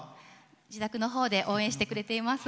自宅のほうで応援してくれています。